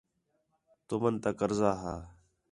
تُمن تا قرضہ ہا